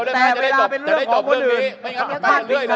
แต่เวลาเป็นเรื่องของคนอื่น